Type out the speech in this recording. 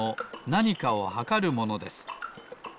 なにかをはかるものです。